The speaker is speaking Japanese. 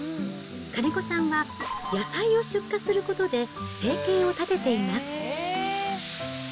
金子さんは、野菜を出荷することで生計を立てています。